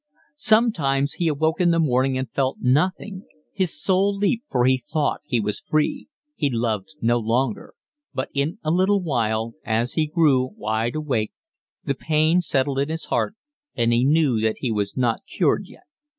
Sometimes he awoke in the morning and felt nothing; his soul leaped, for he thought he was free; he loved no longer; but in a little while, as he grew wide awake, the pain settled in his heart, and he knew that he was not cured yet.